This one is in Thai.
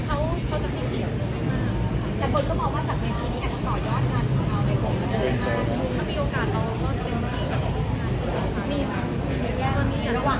ส่วนใหญ่เค้าจะเคียงเหี่ยว